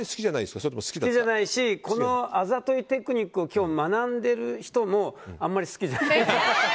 好きじゃないしあざといテクニックを今日学んでる人もあんまり好きじゃない。